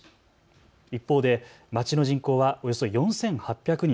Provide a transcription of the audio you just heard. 一方で町の人口はおよそ４８００人。